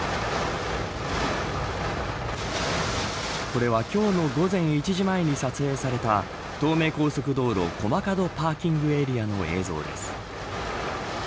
これは今日の午前１時前に撮影された東名高速道路駒門パーキングエリアの映像です。